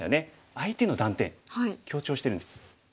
相手の断点強調してるんです。